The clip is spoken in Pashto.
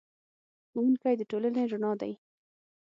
ښوونکی د ټولنې رڼا دی.